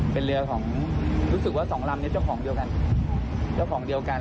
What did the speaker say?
เป็นเรือของรู้สึกว่า๒ลำนี้เจ้าของเดียวกัน